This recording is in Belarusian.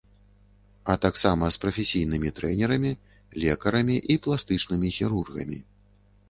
А таксама з прафесійнымі трэнерамі, лекарамі і пластычнымі хірургамі.